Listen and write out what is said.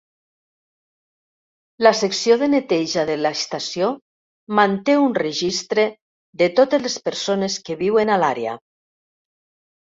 La secció de neteja de la estació manté un registre de totes les persones que viuen a l'àrea.